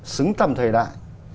xứng tầm thời đại